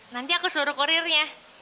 nanti aku suruh kurirnya